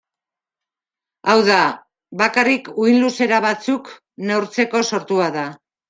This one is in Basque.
Hau da, bakarrik uhin-luzera batzuk neurtzeko sortua da.